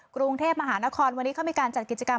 กรุงเทพมหานครวันนี้เขามีการจัดกิจกรรม